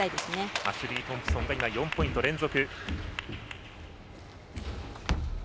アシュリー・トンプソンが４ポイント連続。